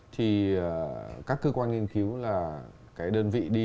thì các cơ quan nghiên cứu là cái đơn vị đi